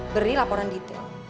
beri laporan detail